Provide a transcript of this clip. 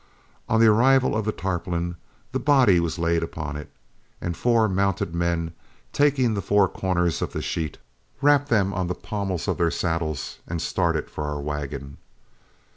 On the arrival of the tarpaulin, the body was laid upon it, and four mounted men, taking the four corners of the sheet, wrapped them on the pommels of their saddles and started for our wagon.